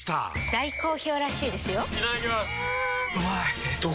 大好評らしいですよんうまい！